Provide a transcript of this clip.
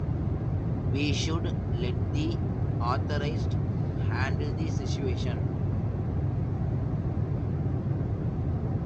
We should let the authorities handle the situation.